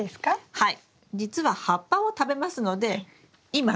はい。